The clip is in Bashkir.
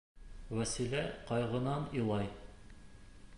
Вәсилә ҡайғынан илай.